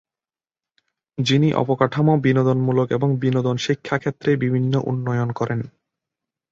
যিনি অবকাঠামো, বিনোদনমূলক এবং বিনোদন শিক্ষা ক্ষেত্রে বিভিন্ন উন্নয়ন করেন।